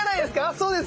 そうです。